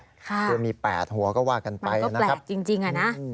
ค่ะมี๘หัวก็ว่ากันไปนะครับมันก็แปลกจริงนะ